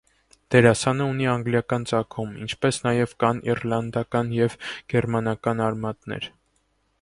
Դերասանը ունի անգլիական ծագում, ինչպէս նաեւ կան իռլանտական եւ գերմանական արմատներ։